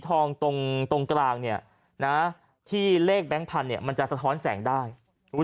ทองตรงตรงกลางเนี่ยนะที่เลขแบงค์พันธุ์เนี่ยมันจะสะท้อนแสงได้